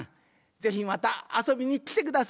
ぜひまたあそびにきてください。